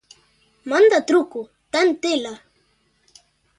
¡Manda truco, ten tela!